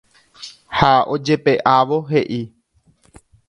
ha ojepe'ávo he'i